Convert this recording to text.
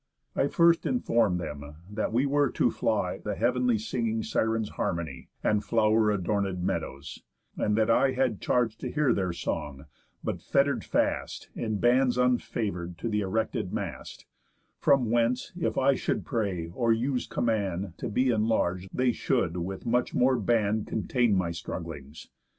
I first inform'd them, that we were to fly The heav'nly singing Sirens' harmony, And flow'r adorned meadow; and that I Had charge to hear their song, but fetter'd fast In bands, unfavour'd, to th' erected mast, From whence, if I should pray, or use command, To be enlarg'd, they should with much more band Contain my strugglings.